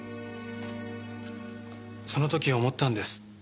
その時思ったんです。